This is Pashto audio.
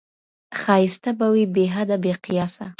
ښایسته به وي بې حده، بې قیاسه